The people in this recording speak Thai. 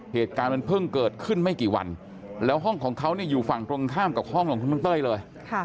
เหตุการณ์มันเพิ่งเกิดขึ้นไม่กี่วันแล้วห้องของเขาอยู่ฝั่งตรงข้ามกับห้องของคุณลุงเต้ยเลย